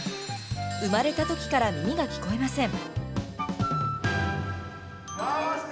生まれたときから耳が聞こえません。